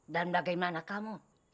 dan bagaimana kamu